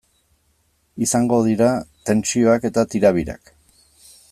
Izango dira tentsioak eta tirabirak.